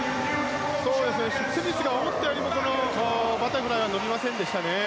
スミスが思ったよりもバタフライが伸びませんでした。